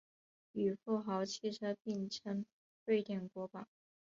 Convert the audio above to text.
与富豪汽车并称瑞典国宝。